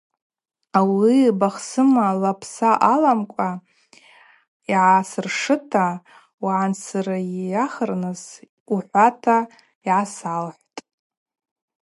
Ауи бахсыма лапса аламкӏва йгӏасыршыта угӏансырйахырныс ухӏвата йгӏасалхӏвтӏ.